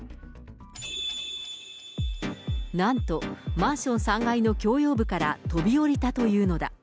なんと、マンション３階の共用部から飛び降りたというのだ。